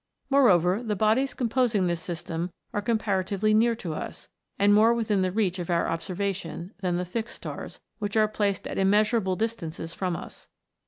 Moreover, the bodies composing this sys tem are comparatively near to us, and more within the reach of our observation, than the fixed stars, which are placed at immeasurable distances from us.